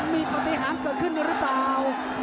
มีปฏิหารเกิดขึ้นหรือเปล่า